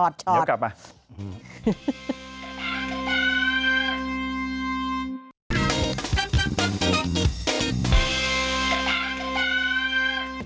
เดี๋ยวกลับมา